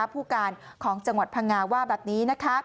ผู้การของจังหวัดพังงาว่าแบบนี้